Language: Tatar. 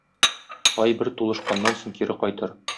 Ай бер тулышканнан соң кире кайтыр.